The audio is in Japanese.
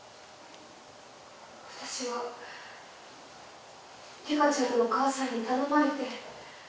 「私は梨花ちゃんのお母さんに頼まれて」